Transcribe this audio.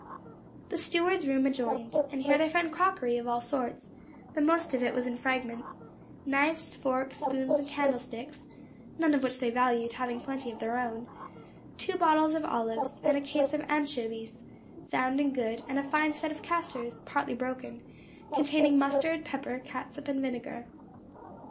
The steward's room adjoined; and here they found crockery of all sorts, though most of it was in fragments; knives, forks, spoons, and candlesticks, none of which they valued, having plenty of their own; two bottles of olives, and a case of anchovies, sound and good, and a fine set of castors, partly broken, containing mustard, pepper, catsup and vinegar.